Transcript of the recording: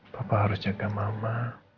papa harus jaga mama